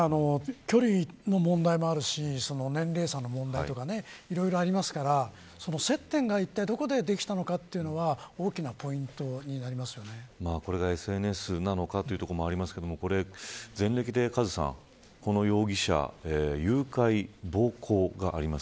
距離の問題もあるし年齢差の問題とかいろいろありますから接点がいったいどこでできたのかというのはこれがＳＮＳなのかということもありますが前歴でカズさん、この容疑者誘拐、暴行があります。